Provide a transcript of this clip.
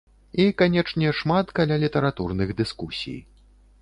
І, канечне, шмат калялітаратурных дыскусій.